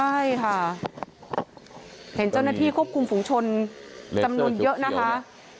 ใช่ค่ะเห็นเจ้าหน้าที่ควบคุมฝุงชนจำนวนเยอะนะคะ